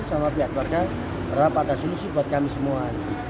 sama pihak keluarga berharap ada solusi buat kami semua